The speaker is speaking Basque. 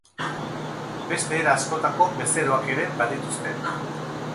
Beste era askotako bezeroak ere badituzte.